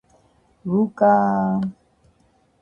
ლუკაააააააააააა